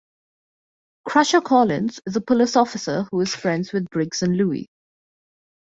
Crusher Collins is a police officer who is friends with Briggs and Louis.